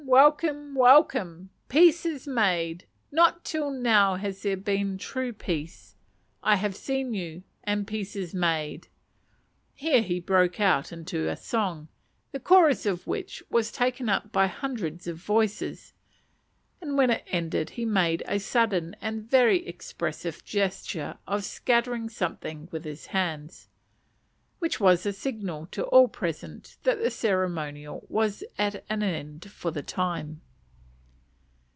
welcome! welcome! Peace is made! not till now has there been true peace! I have seen you, and peace is made!" Here he broke out into a song, the chorus of which was taken up by hundreds of voices, and when it ended he made a sudden and very expressive gesture of scattering something with his hands, which was a signal to all present that the ceremonial was at an end for the time.